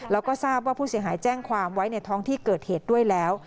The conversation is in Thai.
แล้วก็ทราบว่าผู้เสียหายแจ้งความไว้ในท้องที่เกิดเหตุด้วยแล้ว